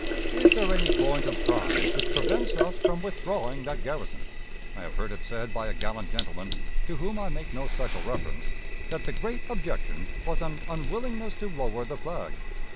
Is there any point of pride which prevents us from withdrawing that garrison? I have heard it said by a gallant gentleman, to whom I make no special reference, that the great objection was an unwillingness to lower the flag.